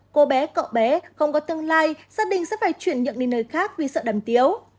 cô bé cậu bé không có tương lai gia đình sẽ phải chuyển nhượng đi nơi khác vì sợ đầm tiếu